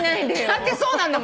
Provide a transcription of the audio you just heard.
だってそうなんだもん。